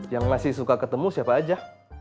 yang masih suka ketemu siapa aja